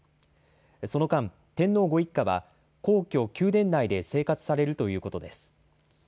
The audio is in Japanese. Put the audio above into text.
その間、天皇ご一家は皇居・宮殿内で生活されるということです。